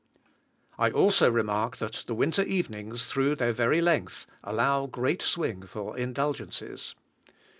I also remark that the winter evenings, through their very length, allow great swing for indulgences.